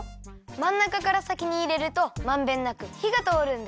まんなかからさきにいれるとまんべんなくひがとおるんだよ。